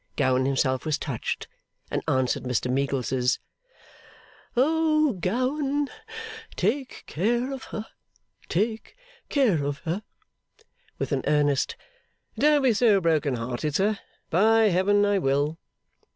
Gowan himself was touched, and answered Mr Meagles's 'O Gowan, take care of her, take care of her!' with an earnest 'Don't be so broken hearted, sir. By Heaven I will!